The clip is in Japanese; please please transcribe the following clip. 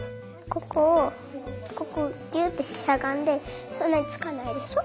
ここギュってしゃがんでそんなにつかないでしょ。